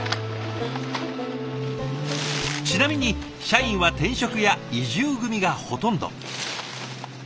ちなみに社員は転職や移住組がほとんど。